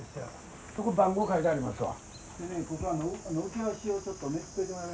そこ番号書いてありますわ。